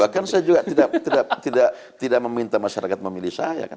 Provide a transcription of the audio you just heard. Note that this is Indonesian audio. bahkan saya juga tidak meminta masyarakat memilih saya kan